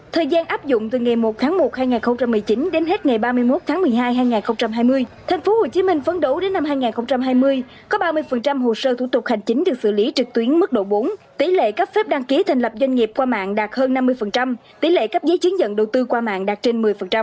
thời gian áp dụng từ ngày một tháng một hai nghìn một mươi chín đến hết ngày ba mươi một tháng một mươi hai hai nghìn hai mươi tp hcm phấn đấu đến năm hai nghìn hai mươi có ba mươi hồ sơ thủ tục hành chính được xử lý trực tuyến mức độ bốn tỷ lệ cấp phép đăng ký thành lập doanh nghiệp qua mạng đạt hơn năm mươi tỷ lệ cấp giấy chứng nhận đầu tư qua mạng đạt trên một mươi